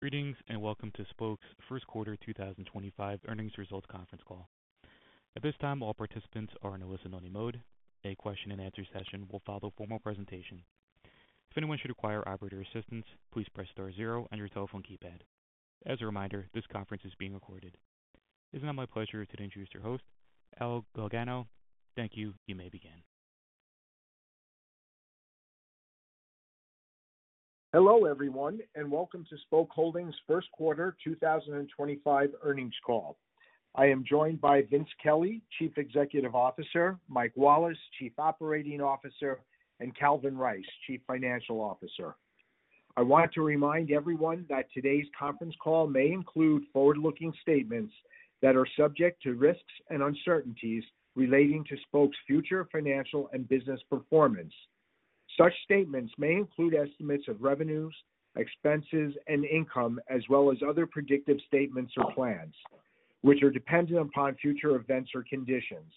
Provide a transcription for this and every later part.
Greetings and welcome to Spok's First Quarter 2025 Earnings Results Conference Call. At this time, all participants are in a listen-only mode. A question-and-answer session will follow formal presentation. If anyone should require operator assistance, please press star zero on your telephone keypad. As a reminder, this conference is being recorded. It is now my pleasure to introduce your host, Al Galgano. Thank you. You may begin. Hello, everyone, and welcome to Spok Holdings' First Quarter 2025 Earnings Call. I am joined by Vince Kelly, Chief Executive Officer; Mike Wallace, Chief Operating Officer; and Calvin Rice, Chief Financial Officer. I want to remind everyone that today's conference call may include forward-looking statements that are subject to risks and uncertainties relating to Spok's future financial and business performance. Such statements may include estimates of revenues, expenses, and income, as well as other predictive statements or plans, which are dependent upon future events or conditions.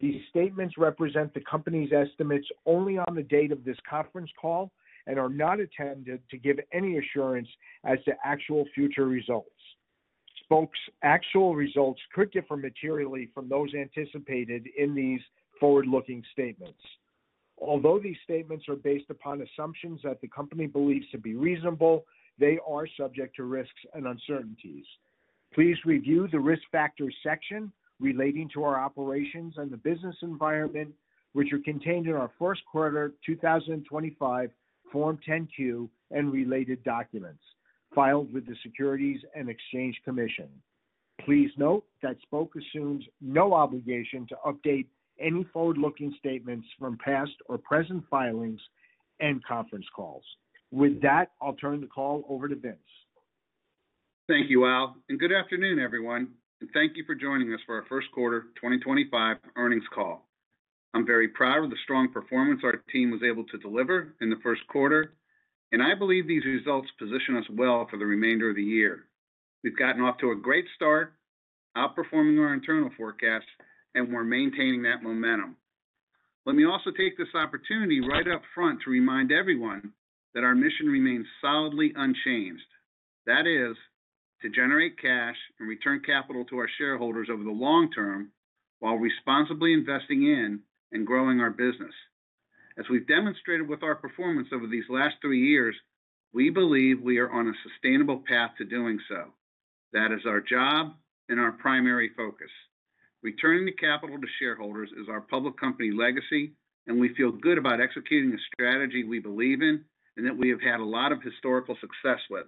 These statements represent the company's estimates only on the date of this conference call and are not intended to give any assurance as to actual future results. Spok's actual results could differ materially from those anticipated in these forward-looking statements. Although these statements are based upon assumptions that the company believes to be reasonable, they are subject to risks and uncertainties. Please review the risk factors section relating to our operations and the business environment, which are contained in our first quarter 2025 Form 10-Q and related documents filed with the Securities and Exchange Commission. Please note that Spok assumes no obligation to update any forward-looking statements from past or present filings and conference calls. With that, I'll turn the call over to Vince. Thank you, Al. Good afternoon, everyone. Thank you for joining us for our First Quarter 2025 Earnings Call. I'm very proud of the strong performance our team was able to deliver in the first quarter, and I believe these results position us well for the remainder of the year. We've gotten off to a great start, outperforming our internal forecasts, and we're maintaining that momentum. Let me also take this opportunity right up front to remind everyone that our mission remains solidly unchanged. That is, to generate cash and return capital to our shareholders over the long term while responsibly investing in and growing our business. As we've demonstrated with our performance over these last three years, we believe we are on a sustainable path to doing so. That is our job and our primary focus. Returning the capital to shareholders is our public company legacy, and we feel good about executing a strategy we believe in and that we have had a lot of historical success with.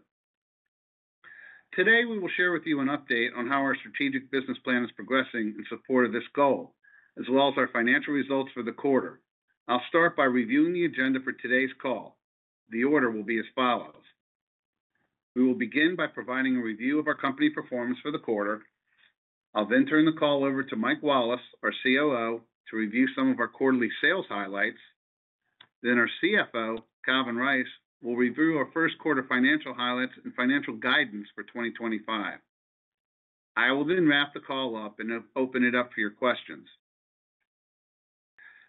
Today, we will share with you an update on how our strategic business plan is progressing in support of this goal, as well as our financial results for the quarter. I'll start by reviewing the agenda for today's call. The order will be as follows. We will begin by providing a review of our company performance for the quarter. I'll then turn the call over to Mike Wallace, our COO, to review some of our quarterly sales highlights. Then our CFO, Calvin Rice, will review our first quarter financial highlights and financial guidance for 2025. I will then wrap the call up and open it up for your questions.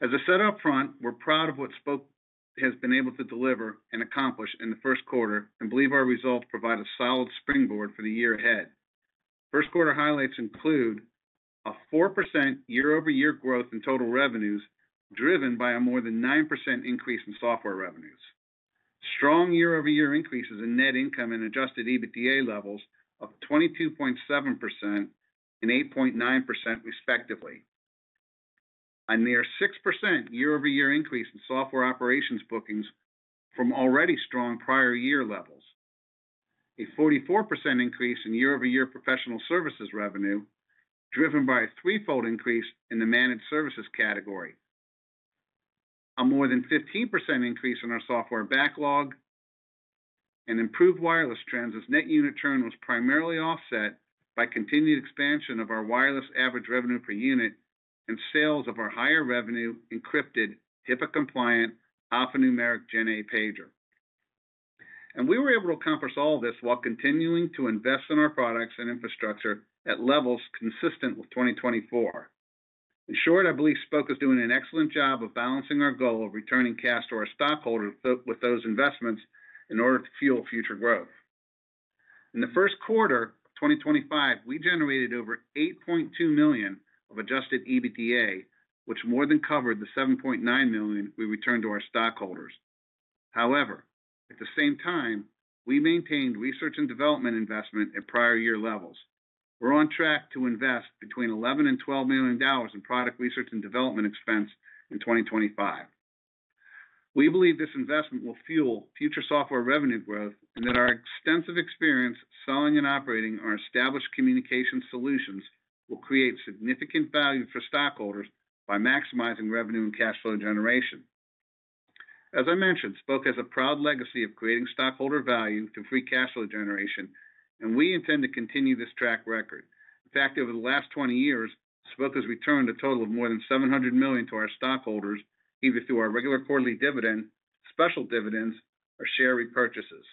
As I said up front, we're proud of what Spok has been able to deliver and accomplish in the first quarter and believe our results provide a solid springboard for the year ahead. First quarter highlights include a 4% year-over-year growth in total revenues driven by a more than 9% increase in software revenues, strong year-over-year increases in net income and adjusted EBITDA levels of 22.7% and 8.9%, respectively, a near 6% year-over-year increase in software operations bookings from already strong prior year levels, a 44% increase in year-over-year professional services revenue driven by a threefold increase in the managed services category, a more than 15% increase in our software backlog, and improved wireless trends as net unit churn was primarily offset by continued expansion of our wireless average revenue per unit and sales of our higher revenue encrypted HIPAA-compliant alphanumeric GenA pager. We were able to accomplish all of this while continuing to invest in our products and infrastructure at levels consistent with 2024. In short, I believe Spok is doing an excellent job of balancing our goal of returning cash to our stockholders with those investments in order to fuel future growth. In the first quarter of 2025, we generated over $8.2 million of adjusted EBITDA, which more than covered the $7.9 million we returned to our stockholders. However, at the same time, we maintained research and development investment at prior year levels. We are on track to invest between $11-$12 million in product research and development expense in 2025. We believe this investment will fuel future software revenue growth and that our extensive experience selling and operating our established communication solutions will create significant value for stockholders by maximizing revenue and cash flow generation. As I mentioned, Spok has a proud legacy of creating stockholder value through free cash flow generation, and we intend to continue this track record. In fact, over the last 20 years, Spok has returned a total of more than $700 million to our stockholders either through our regular quarterly dividend, special dividends, or share repurchases.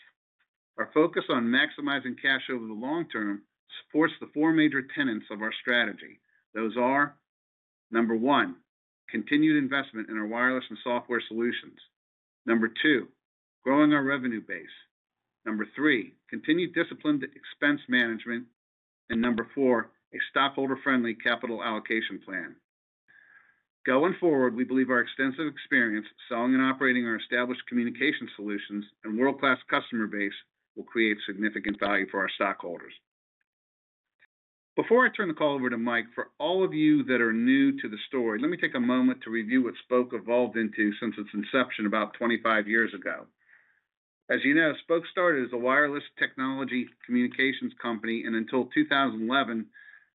Our focus on maximizing cash over the long term supports the four major tenets of our strategy. Those are, number one, continued investment in our wireless and software solutions; number two, growing our revenue base; number three, continued disciplined expense management; and number four, a stockholder-friendly capital allocation plan. Going forward, we believe our extensive experience selling and operating our established communication solutions and world-class customer base will create significant value for our stockholders. Before I turn the call over to Mike, for all of you that are new to the story, let me take a moment to review what Spok evolved into since its inception about 25 years ago. As you know, Spok started as a wireless technology communications company and until 2011,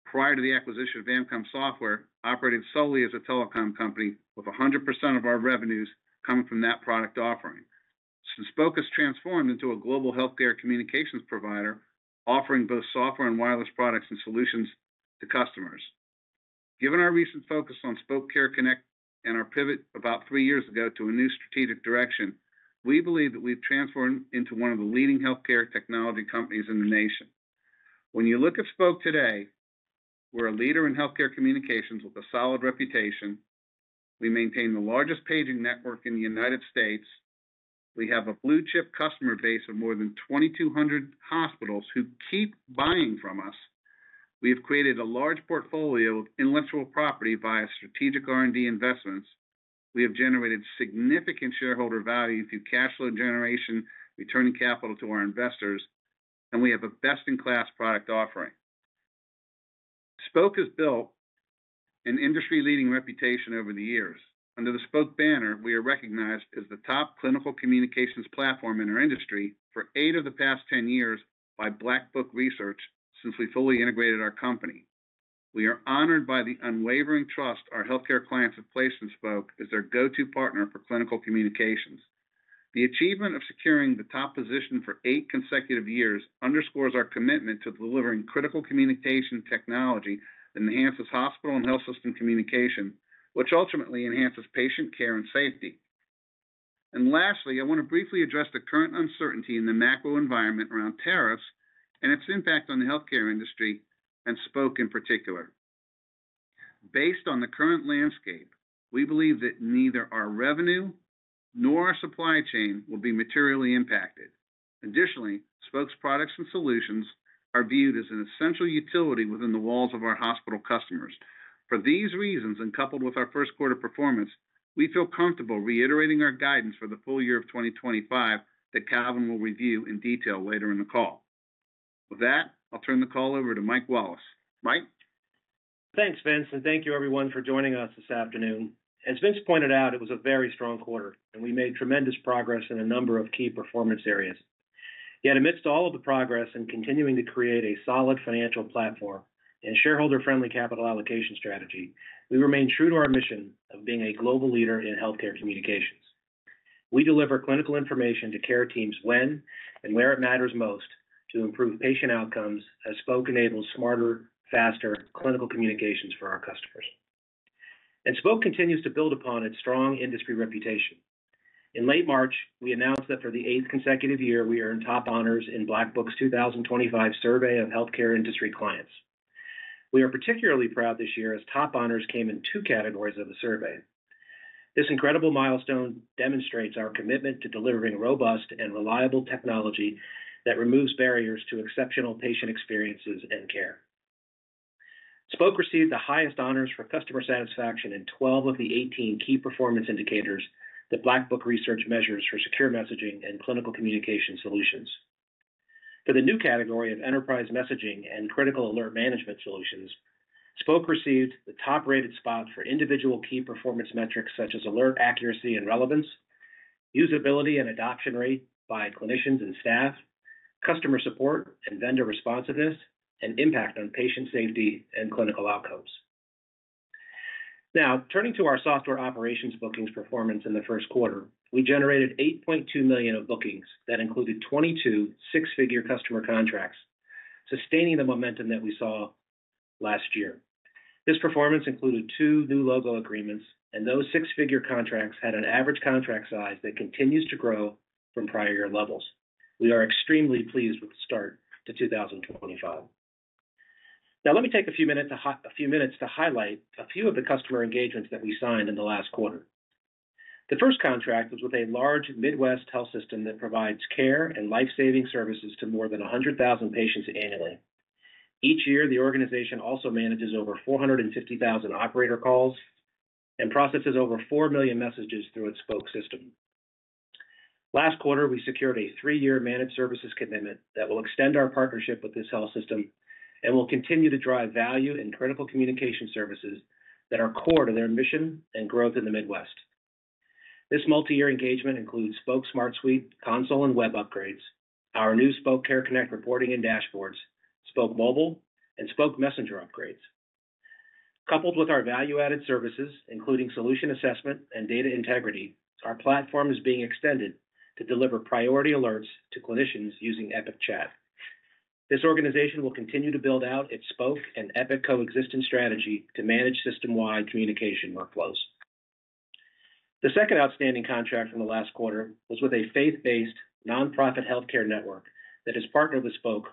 prior to the acquisition of Amcom Software, operated solely as a telecom company with 100% of our revenues coming from that product offering. Since, Spok has transformed into a global healthcare communications provider, offering both software and wireless products and solutions to customers. Given our recent focus on Spok Care Connect and our pivot about three years ago to a new strategic direction, we believe that we've transformed into one of the leading healthcare technology companies in the nation. When you look at Spok today, we're a leader in healthcare communications with a solid reputation. We maintain the largest paging network in the United States. We have a blue-chip customer base of more than 2,200 hospitals who keep buying from us. We have created a large portfolio of intellectual property via strategic R&D investments. We have generated significant shareholder value through cash flow generation, returning capital to our investors, and we have a best-in-class product offering. Spok has built an industry-leading reputation over the years. Under the Spok banner, we are recognized as the top clinical communications platform in our industry for eight of the past 10 years by Black Book Research since we fully integrated our company. We are honored by the unwavering trust our healthcare clients have placed in Spok as their go-to partner for clinical communications. The achievement of securing the top position for eight consecutive years underscores our commitment to delivering critical communication technology that enhances hospital and health system communication, which ultimately enhances patient care and safety. Lastly, I want to briefly address the current uncertainty in the macro environment around tariffs and its impact on the healthcare industry and Spok in particular. Based on the current landscape, we believe that neither our revenue nor our supply chain will be materially impacted. Additionally, Spok's products and solutions are viewed as an essential utility within the walls of our hospital customers. For these reasons and coupled with our first quarter performance, we feel comfortable reiterating our guidance for the full year of 2025 that Calvin will review in detail later in the call. With that, I'll turn the call over to Mike Wallace. Mike. Thanks, Vince, and thank you, everyone, for joining us this afternoon. As Vince pointed out, it was a very strong quarter, and we made tremendous progress in a number of key performance areas. Yet, amidst all of the progress and continuing to create a solid financial platform and shareholder-friendly capital allocation strategy, we remain true to our mission of being a global leader in healthcare communications. We deliver clinical information to care teams when and where it matters most to improve patient outcomes as Spok enables smarter, faster clinical communications for our customers. Spok continues to build upon its strong industry reputation. In late March, we announced that for the eighth consecutive year, we earned top honors in Black Book's 2025 Survey of Healthcare Industry Clients. We are particularly proud this year as top honors came in two categories of the survey. This incredible milestone demonstrates our commitment to delivering robust and reliable technology that removes barriers to exceptional patient experiences and care. Spok received the highest honors for customer satisfaction in 12 of the 18 key performance indicators that Black Book Research measures for secure messaging and clinical communication solutions. For the new category of enterprise messaging and critical alert management solutions, Spok received the top-rated spot for individual key performance metrics such as alert accuracy and relevance, usability and adoption rate by clinicians and staff, customer support and vendor responsiveness, and impact on patient safety and clinical outcomes. Now, turning to our software operations bookings performance in the first quarter, we generated $8.2 million of bookings that included 22 six-figure customer contracts, sustaining the momentum that we saw last year. This performance included two new logo agreements, and those six-figure contracts had an average contract size that continues to grow from prior year levels. We are extremely pleased with the start to 2025. Now, let me take a few minutes to highlight a few of the customer engagements that we signed in the last quarter. The first contract was with a large Midwest health system that provides care and life-saving services to more than 100,000 patients annually. Each year, the organization also manages over 450,000 operator calls and processes over 4 million messages through its Spok system. Last quarter, we secured a three-year managed services commitment that will extend our partnership with this health system and will continue to drive value in critical communication services that are core to their mission and growth in the Midwest. This multi-year engagement includes Spok Smart Suite console and web upgrades, our new Spok Care Connect reporting and dashboards, Spok Mobile, and Spok Messenger upgrades. Coupled with our value-added services, including solution assessment and data integrity, our platform is being extended to deliver priority alerts to clinicians using Epic Chat. This organization will continue to build out its Spok and Epic coexistent strategy to manage system-wide communication workflows. The second outstanding contract from the last quarter was with a faith-based nonprofit healthcare network that has partnered with Spok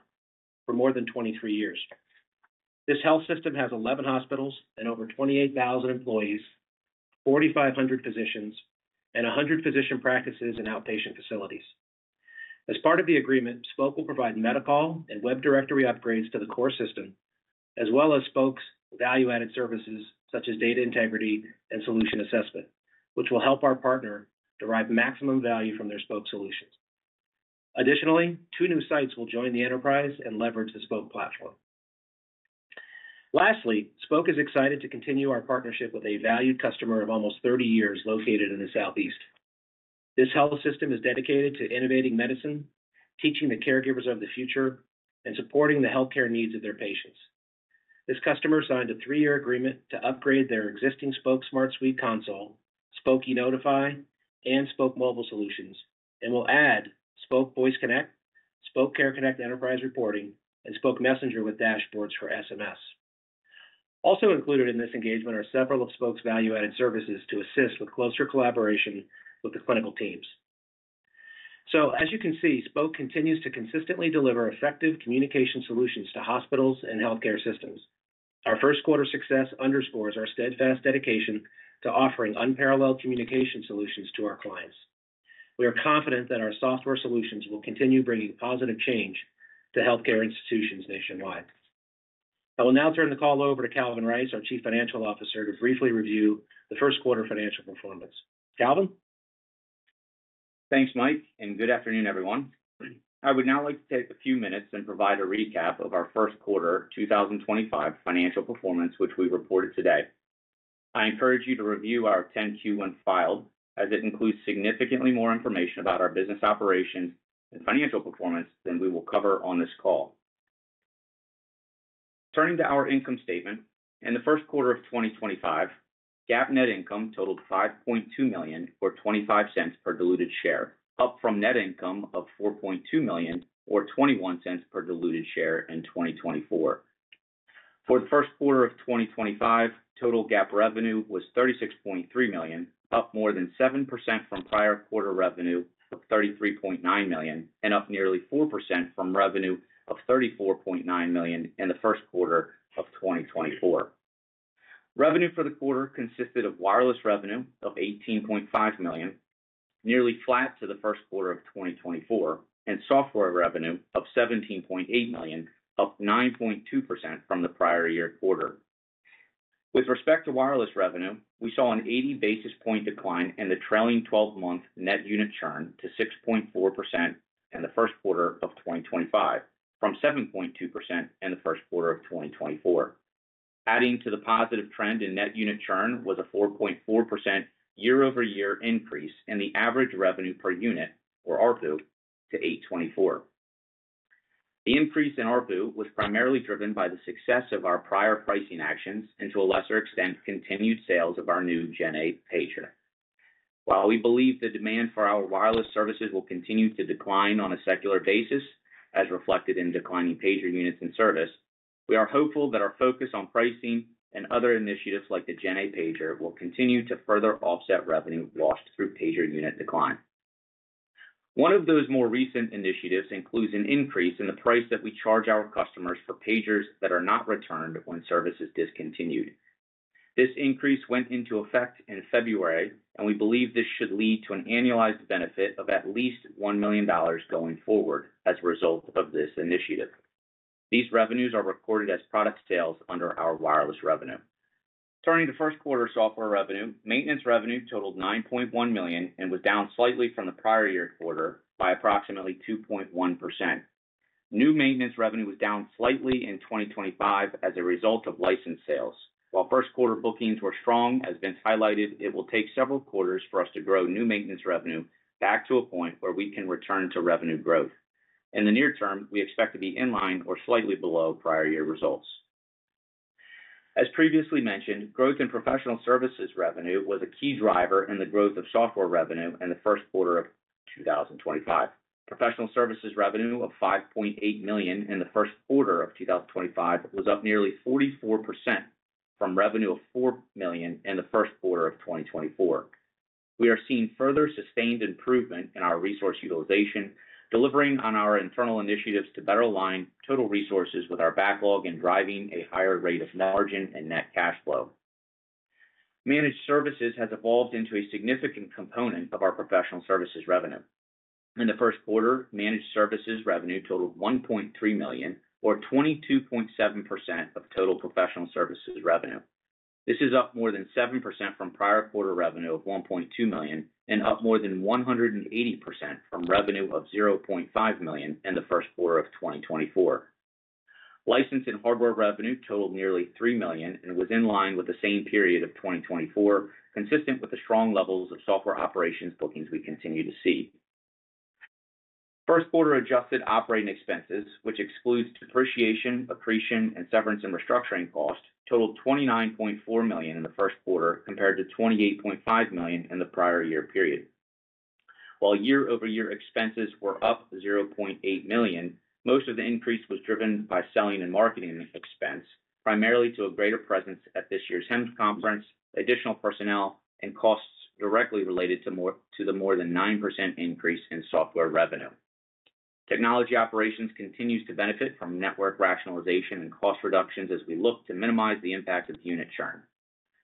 for more than 23 years. This health system has 11 hospitals and over 28,000 employees, 4,500 physicians, and 100 physician practices and outpatient facilities. As part of the agreement, Spok will provide medical and web directory upgrades to the core system, as well as Spok's value-added services such as data integrity and solution assessment, which will help our partner derive maximum value from their Spok solutions. Additionally, two new sites will join the enterprise and leverage the Spok platform. Lastly, Spok is excited to continue our partnership with a valued customer of almost 30 years located in the Southeast. This health system is dedicated to innovating medicine, teaching the caregivers of the future, and supporting the healthcare needs of their patients. This customer signed a three-year agreement to upgrade their existing Spok Smart Suite console, Spok e.Notify, and Spok Mobile solutions, and will add Spok Voice Connect, Spok Care Connect enterprise reporting, and Spok Messenger with Dashboards for SMS. Also included in this engagement are several of Spok's value-added services to assist with closer collaboration with the clinical teams. As you can see, Spok continues to consistently deliver effective communication solutions to hospitals and healthcare systems. Our first quarter success underscores our steadfast dedication to offering unparalleled communication solutions to our clients. We are confident that our software solutions will continue bringing positive change to healthcare institutions nationwide. I will now turn the call over to Calvin Rice, our Chief Financial Officer, to briefly review the first quarter financial performance. Calvin. Thanks, Mike, and good afternoon, everyone. I would now like to take a few minutes and provide a recap of our first quarter 2025 financial performance, which we reported today. I encourage you to review our 10-Q file, as it includes significantly more information about our business operations and financial performance than we will cover on this call. Turning to our income statement, in the first quarter of 2025, GAAP net income totaled $5.2 million or $0.25 per diluted share, up from net income of $4.2 million or $0.21 per diluted share in 2024. For the first quarter of 2025, total GAAP revenue was $36.3 million, up more than 7% from prior quarter revenue of $33.9 million, and up nearly 4% from revenue of $34.9 million in the first quarter of 2024. Revenue for the quarter consisted of wireless revenue of $18.5 million, nearly flat to the first quarter of 2024, and software revenue of $17.8 million, up 9.2% from the prior year quarter. With respect to wireless revenue, we saw an 80 basis point decline in the trailing 12-month net unit churn to 6.4% in the first quarter of 2025, from 7.2% in the first quarter of 2024. Adding to the positive trend in net unit churn was a 4.4% year-over-year increase in the average revenue per unit, or ARPU, to $8.24. The increase in ARPU was primarily driven by the success of our prior pricing actions and, to a lesser extent, continued sales of our new GenA pager. While we believe the demand for our wireless services will continue to decline on a secular basis, as reflected in declining pager units and service, we are hopeful that our focus on pricing and other initiatives like the GenA pager will continue to further offset revenue washed through pager unit decline. One of those more recent initiatives includes an increase in the price that we charge our customers for pagers that are not returned when service is discontinued. This increase went into effect in February, and we believe this should lead to an annualized benefit of at least $1 million going forward as a result of this initiative. These revenues are recorded as product sales under our wireless revenue. Turning to first quarter software revenue, maintenance revenue totaled $9.1 million and was down slightly from the prior year quarter by approximately 2.1%. New maintenance revenue was down slightly in 2025 as a result of license sales. While first quarter bookings were strong, as Vince highlighted, it will take several quarters for us to grow new maintenance revenue back to a point where we can return to revenue growth. In the near term, we expect to be in line or slightly below prior year results. As previously mentioned, growth in professional services revenue was a key driver in the growth of software revenue in the first quarter of 2025. Professional services revenue of $5.8 million in the first quarter of 2025 was up nearly 44% from revenue of $4 million in the first quarter of 2024. We are seeing further sustained improvement in our resource utilization, delivering on our internal initiatives to better align total resources with our backlog and driving a higher rate of margin and net cash flow. Managed services has evolved into a significant component of our professional services revenue. In the first quarter, managed services revenue totaled $1.3 million, or 22.7% of total professional services revenue. This is up more than 7% from prior quarter revenue of $1.2 million and up more than 180% from revenue of $0.5 million in the first quarter of 2024. License and hardware revenue totaled nearly $3 million and was in line with the same period of 2024, consistent with the strong levels of software operations bookings we continue to see. First quarter adjusted operating expenses, which excludes depreciation, accretion, and severance and restructuring cost, totaled $29.4 million in the first quarter compared to $28.5 million in the prior year period. While year-over-year expenses were up $0.8 million, most of the increase was driven by selling and marketing expense, primarily to a greater presence at this year's HIMSS Conference, additional personnel, and costs directly related to the more than 9% increase in software revenue. Technology operations continues to benefit from network rationalization and cost reductions as we look to minimize the impact of unit churn.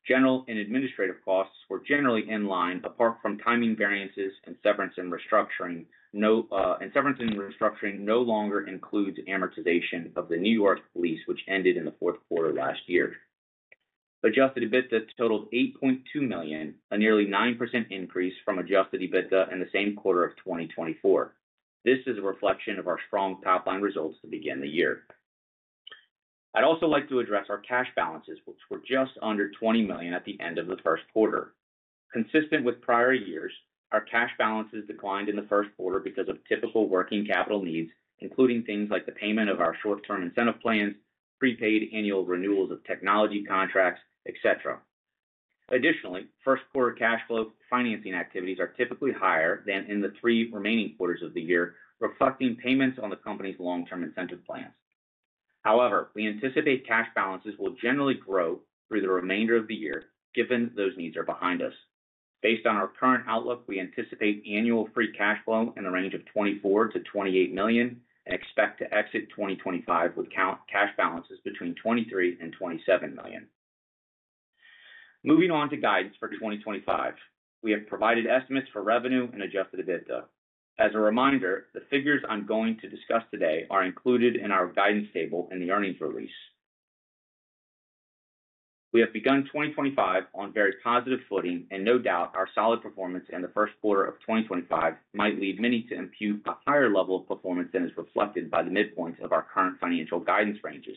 General and administrative costs were generally in line, apart from timing variances and severance and restructuring. No severance and restructuring no longer includes amortization of the New York lease, which ended in the fourth quarter last year. Adjusted EBITDA totaled $8.2 million, a nearly 9% increase from adjusted EBITDA in the same quarter of 2024. This is a reflection of our strong top-line results to begin the year. I'd also like to address our cash balances, which were just under $20 million at the end of the first quarter. Consistent with prior years, our cash balances declined in the first quarter because of typical working capital needs, including things like the payment of our short-term incentive plans, prepaid annual renewals of technology contracts, etc. Additionally, first quarter cash flow financing activities are typically higher than in the three remaining quarters of the year, reflecting payments on the company's long-term incentive plans. However, we anticipate cash balances will generally grow through the remainder of the year, given those needs are behind us. Based on our current outlook, we anticipate annual free cash flow in the range of $24 million-$28 million and expect to exit 2025 with cash balances between $23 million and $27 million. Moving on to guidance for 2025, we have provided estimates for revenue and adjusted EBITDA. As a reminder, the figures I'm going to discuss today are included in our guidance table in the earnings release. We have begun 2025 on very positive footing, and no doubt our solid performance in the first quarter of 2025 might lead many to impute a higher level of performance than is reflected by the midpoint of our current financial guidance ranges.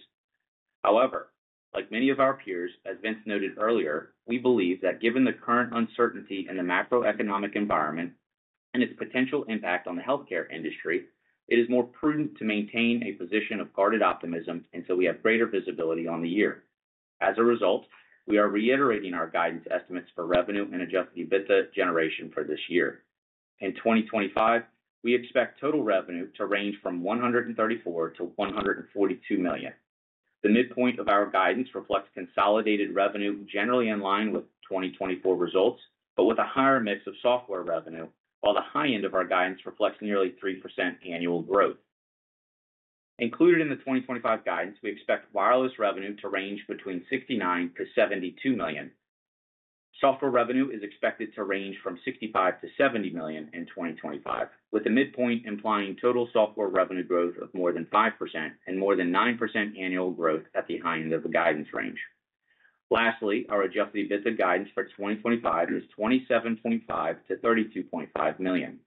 However, like many of our peers, as Vince noted earlier, we believe that given the current uncertainty in the macroeconomic environment and its potential impact on the healthcare industry, it is more prudent to maintain a position of guarded optimism until we have greater visibility on the year. As a result, we are reiterating our guidance estimates for revenue and adjusted EBITDA generation for this year. In 2025, we expect total revenue to range from $134 million-$142 million. The midpoint of our guidance reflects consolidated revenue generally in line with 2024 results, but with a higher mix of software revenue, while the high end of our guidance reflects nearly 3% annual growth. Included in the 2025 guidance, we expect wireless revenue to range between $69 million-$72 million. Software revenue is expected to range from $65 million-$70 million in 2025, with the midpoint implying total software revenue growth of more than 5% and more than 9% annual growth at the high end of the guidance range. Lastly, our adjusted EBITDA guidance for 2025 is $27.5 million-$32.5 million.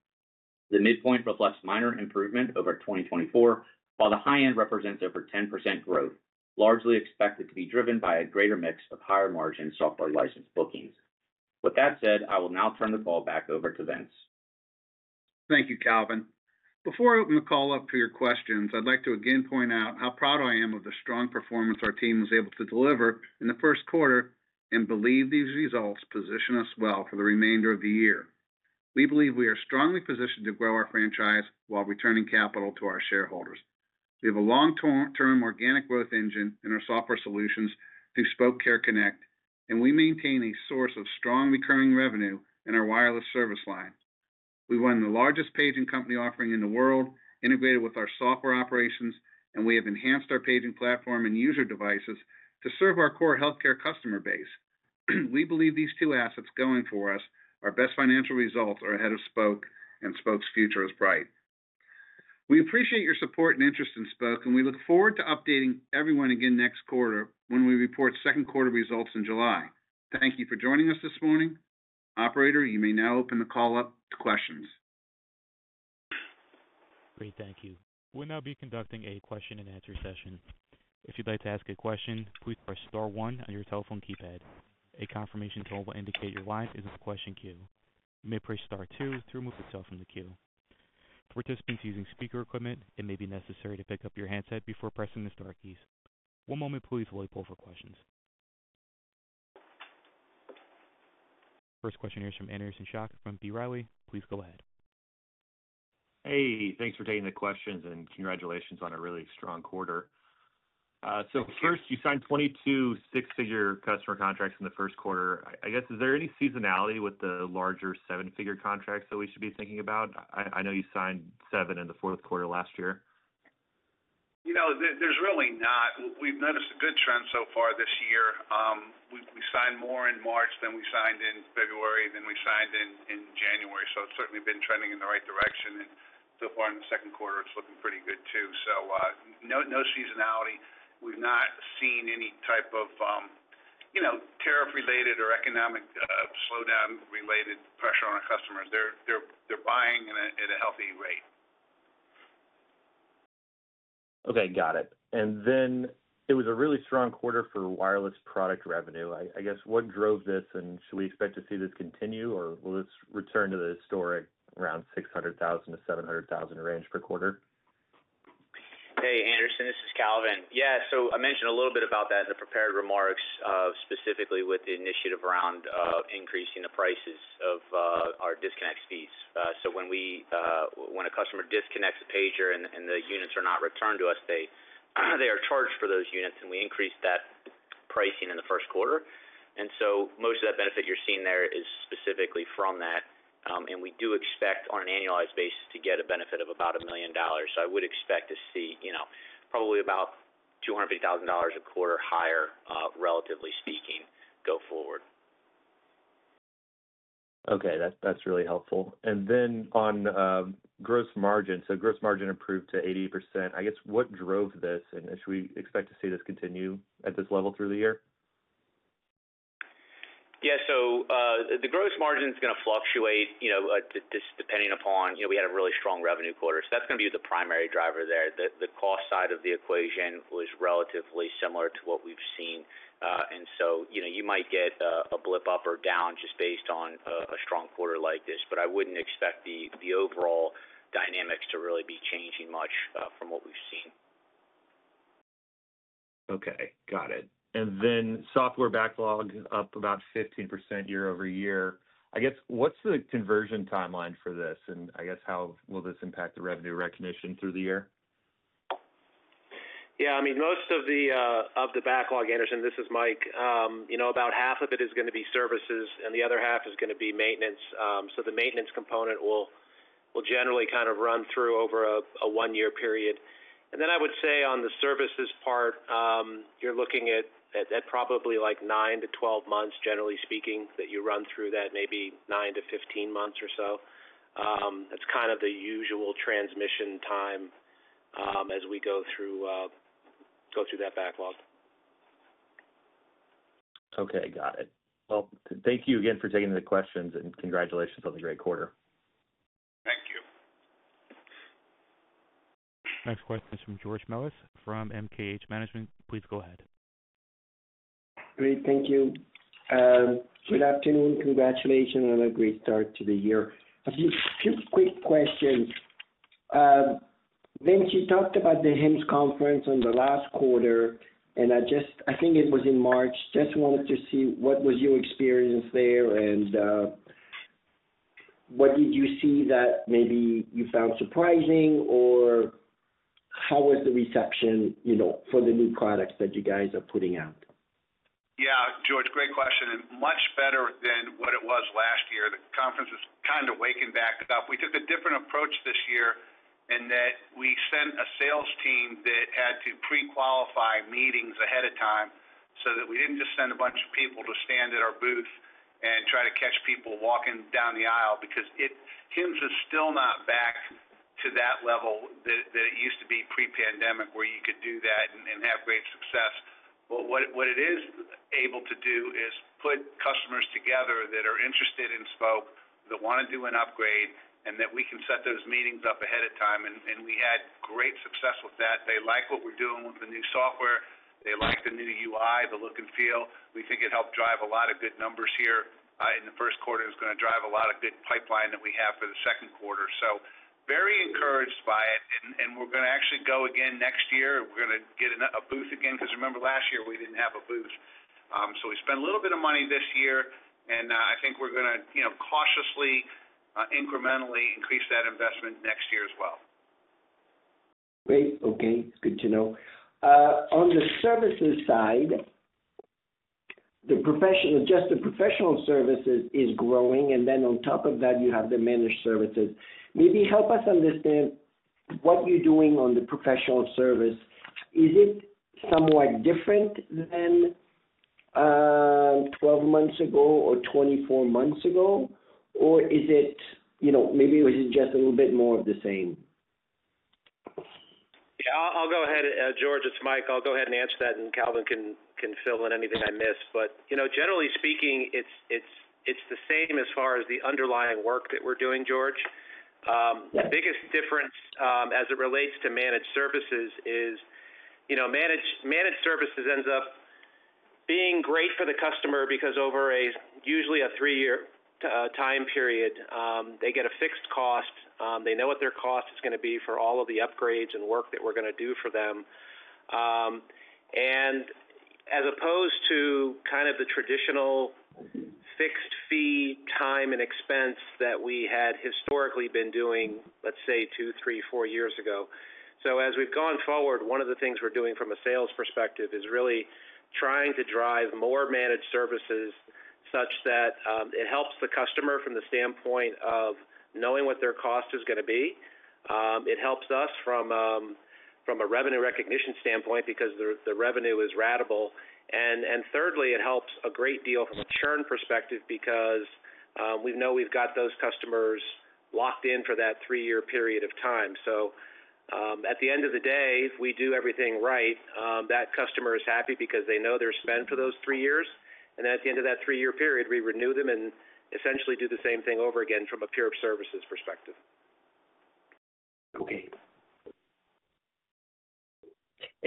The midpoint reflects minor improvement over 2024, while the high end represents over 10% growth, largely expected to be driven by a greater mix of higher margin software license bookings. With that said, I will now turn the call back over to Vince. Thank you, Calvin. Before I open the call up for your questions, I'd like to again point out how proud I am of the strong performance our team was able to deliver in the first quarter and believe these results position us well for the remainder of the year. We believe we are strongly positioned to grow our franchise while returning capital to our shareholders. We have a long-term organic growth engine in our software solutions through Spok Care Connect, and we maintain a source of strong recurring revenue in our wireless service line. We run the largest paging company offering in the world, integrated with our software operations, and we have enhanced our paging platform and user devices to serve our core healthcare customer base. We believe these two assets going for us are best financial results are ahead of Spok, and Spok's future is bright. We appreciate your support and interest in Spok, and we look forward to updating everyone again next quarter when we report second quarter results in July. Thank you for joining us this morning. Operator, you may now open the call up to questions. Great, thank you. We'll now be conducting a question-and-answer session. If you'd like to ask a question, please press star one on your telephone keypad. A confirmation tone will indicate your line is in the question queue. You may press star two to remove the tone from the queue. For participants using speaker equipment, it may be necessary to pick up your handset before pressing the star keys. One moment, please, while we pull for questions. First question here is from Anderson Schock from B Riley. Please go ahead. Thanks for taking the questions, and congratulations on a really strong quarter. First, you signed 22 six-figure customer contracts in the first quarter. I guess, is there any seasonality with the larger seven-figure contracts that we should be thinking about? I know you signed seven in the fourth quarter last year. You know, there's really not. We've noticed a good trend so far this year. We signed more in March than we signed in February, than we signed in January. It has certainly been trending in the right direction. So far in the second quarter, it's looking pretty good too. No seasonality. We've not seen any type of, you know, tariff-related or economic slowdown-related pressure on our customers. They're buying at a healthy rate. Okay, got it. It was a really strong quarter for wireless product revenue. I guess, what drove this, and should we expect to see this continue, or will this return to the historic around $600,000-$700,000 range per quarter? Hey, Anderson, this is Calvin. Yeah, I mentioned a little bit about that in the prepared remarks, specifically with the initiative around increasing the prices of our disconnect fees. When a customer disconnects a pager and the units are not returned to us, they are charged for those units, and we increased that pricing in the first quarter. Most of that benefit you're seeing there is specifically from that. We do expect on an annualized basis to get a benefit of about $1 million. I would expect to see, you know, probably about $250,000 a quarter higher, relatively speaking, go forward. Okay, that's really helpful. On gross margin, gross margin improved to 80%. I guess, what drove this, and should we expect to see this continue at this level through the year? Yeah, so the gross margin is going to fluctuate, you know, just depending upon, you know, we had a really strong revenue quarter. That's going to be the primary driver there. The cost side of the equation was relatively similar to what we've seen. You might get a blip up or down just based on a strong quarter like this, but I wouldn't expect the overall dynamics to really be changing much from what we've seen. Okay, got it. Software backlog up about 15% year over year. I guess, what's the conversion timeline for this, and I guess, how will this impact the revenue recognition through the year? Yeah, I mean, most of the backlog, Anderson, this is Mike. You know, about half of it is going to be services, and the other half is going to be maintenance. The maintenance component will generally kind of run through over a one-year period. I would say on the services part, you're looking at probably like 9 to 12 months, generally speaking, that you run through that, maybe 9 to 15 months or so. That's kind of the usual transmission time as we go through that backlog. Okay, got it. Thank you again for taking the questions, and congratulations on the great quarter. Thank you. Next question is from George Melas from MKH Management. Please go ahead. Great, thank you. Good afternoon, congratulations, and a great start to the year. A few quick questions. Vince, you talked about the HIMSS conference in the last quarter, and I just, I think it was in March. Just wanted to see what was your experience there, and what did you see that maybe you found surprising, or how was the reception, you know, for the new products that you guys are putting out? Yeah, George, great question. Much better than what it was last year. The conference has kind of wakened back up. We took a different approach this year in that we sent a sales team that had to pre-qualify meetings ahead of time so that we did not just send a bunch of people to stand at our booth and try to catch people walking down the aisle because HIMSS is still not back to that level that it used to be pre-pandemic where you could do that and have great success. What it is able to do is put customers together that are interested in Spok, that want to do an upgrade, and that we can set those meetings up ahead of time. We had great success with that. They like what we are doing with the new software. They like the new UI, the look and feel. We think it helped drive a lot of good numbers here in the first quarter and is going to drive a lot of good pipeline that we have for the second quarter. Very encouraged by it. We're going to actually go again next year. We're going to get a booth again because remember last year we didn't have a booth. We spent a little bit of money this year, and I think we're going to, you know, cautiously, incrementally increase that investment next year as well. Great, okay. It's good to know. On the services side, the professional, just the professional services is growing, and then on top of that, you have the managed services. Maybe help us understand what you're doing on the professional service. Is it somewhat different than 12 months ago or 24 months ago, or is it, you know, maybe was it just a little bit more of the same? Yeah, I'll go ahead, George. It's Mike. I'll go ahead and answer that, and Calvin can fill in anything I missed. You know, generally speaking, it's the same as far as the underlying work that we're doing, George. The biggest difference as it relates to managed services is, you know, managed services ends up being great for the customer because over a, usually a three-year time period, they get a fixed cost. They know what their cost is going to be for all of the upgrades and work that we're going to do for them. As opposed to kind of the traditional fixed fee, time, and expense that we had historically been doing, let's say, two, three, four years ago. As we've gone forward, one of the things we're doing from a sales perspective is really trying to drive more managed services such that it helps the customer from the standpoint of knowing what their cost is going to be. It helps us from a revenue recognition standpoint because the revenue is ratable. Thirdly, it helps a great deal from a churn perspective because we know we've got those customers locked in for that three-year period of time. At the end of the day, if we do everything right, that customer is happy because they know their spend for those three years. Then at the end of that three-year period, we renew them and essentially do the same thing over again from a pure services perspective.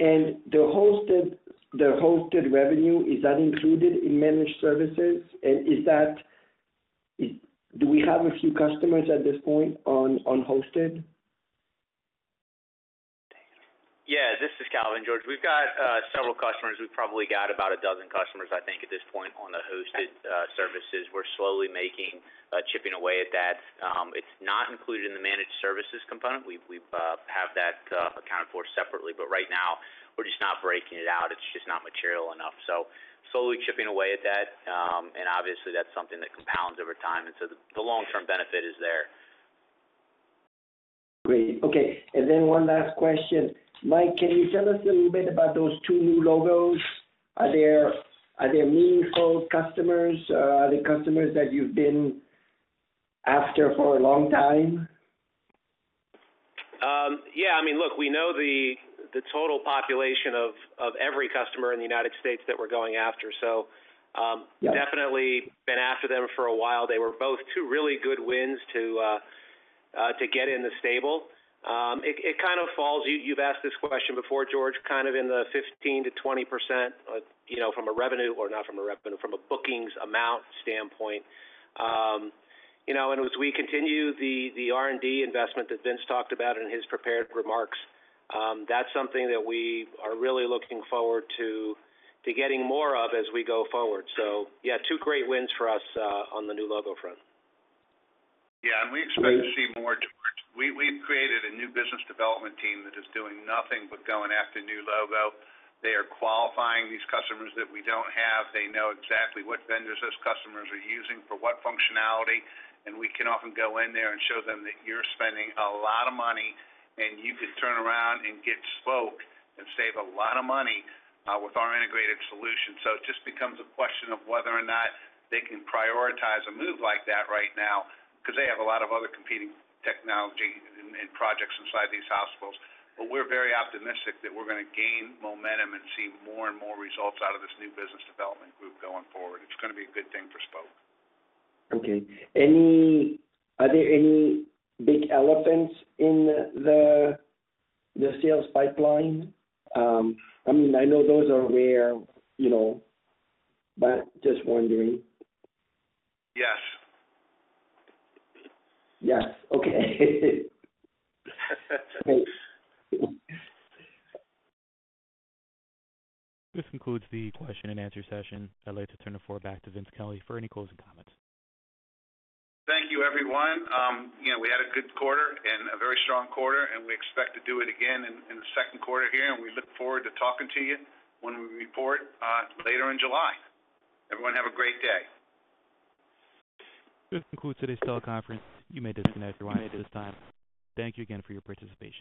Okay. The hosted revenue, is that included in managed services? Is that, do we have a few customers at this point on hosted? Yeah, this is Calvin, George. We've got several customers. We've probably got about a dozen customers, I think, at this point on the hosted services. We're slowly chipping away at that. It's not included in the managed services component. We have that accounted for separately. Right now, we're just not breaking it out. It's just not material enough. Slowly chipping away at that. Obviously, that's something that compounds over time. The long-term benefit is there. Great, okay. One last question. Mike, can you tell us a little bit about those two new logos? Are there meaningful customers? Are they customers that you've been after for a long time? Yeah, I mean, look, we know the total population of every customer in the United States that we're going after. Definitely been after them for a while. They were both two really good wins to get in the stable. It kind of falls, you've asked this question before, George, kind of in the 15%-20%, you know, from a revenue, or not from a revenue, from a bookings amount standpoint. You know, and as we continue the R&D investment that Vince talked about in his prepared remarks, that's something that we are really looking forward to getting more of as we go forward. Yeah, two great wins for us on the new logo front. Yeah, and we expect to see more, George. We've created a new business development team that is doing nothing but going after new logo. They are qualifying these customers that we do not have. They know exactly what vendors those customers are using for what functionality. We can often go in there and show them that you are spending a lot of money, and you could turn around and get Spok and save a lot of money with our integrated solution. It just becomes a question of whether or not they can prioritize a move like that right now because they have a lot of other competing technology and projects inside these hospitals. We are very optimistic that we are going to gain momentum and see more and more results out of this new business development group going forward. It is going to be a good thing for Spok. Okay. Are there any big elephants in the sales pipeline? I mean, I know those are rare, you know, but just wondering. Yes. Yes, okay. Thanks. This concludes the question and answer session. I'd like to turn the floor back to Vince Kelly for any closing comments. Thank you, everyone. You know, we had a good quarter and a very strong quarter, and we expect to do it again in the second quarter here. We look forward to talking to you when we report later in July. Everyone have a great day. This concludes today's teleconference. You may disconnect at your want at this time. Thank you again for your participation.